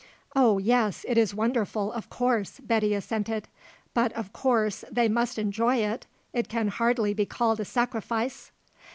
"Oh, yes, it is wonderful, of course," Betty assented. "But of course they must enjoy it; it can hardly be called a sacrifice."